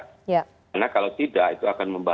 karena kalau tidak itu akan membahas